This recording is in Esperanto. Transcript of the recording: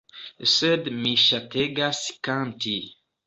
Sed mi ŝategas kanti.